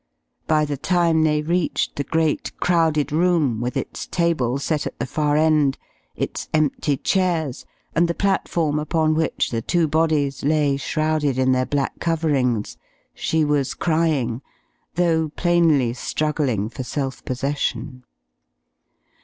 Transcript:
By the time they reached the great, crowded room, with its table set at the far end, its empty chairs, and the platform upon which the two bodies lay shrouded in their black coverings, she was crying, though plainly struggling for self possession.